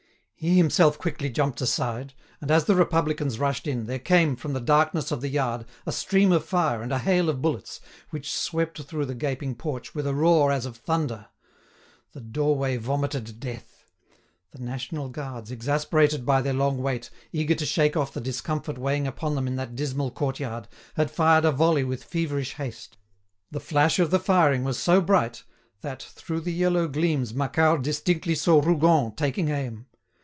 He himself quickly jumped aside, and as the Republicans rushed in, there came, from the darkness of the yard, a stream of fire and a hail of bullets, which swept through the gaping porch with a roar as of thunder. The doorway vomited death. The national guards, exasperated by their long wait, eager to shake off the discomfort weighing upon them in that dismal court yard, had fired a volley with feverish haste. The flash of the firing was so bright, that, through the yellow gleams Macquart distinctly saw Rougon taking aim.